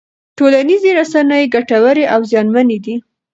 ټولنیزې رسنۍ ګټورې او زیانمنې دي.